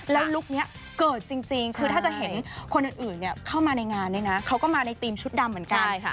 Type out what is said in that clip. แล้วลุคนี้เกิดจริงคือถ้าจะเห็นคนอื่นเข้ามาในงานเนี่ยนะเขาก็มาในทีมชุดดำเหมือนกัน